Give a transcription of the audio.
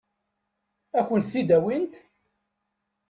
Ad kent-t-id-awint?